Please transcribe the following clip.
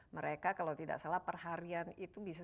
mereka kalau tidak salah perharian itu bisa